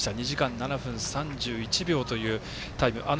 ２時間７分３１秒というタイム。